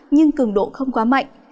nhưng cường độ không quá mạnh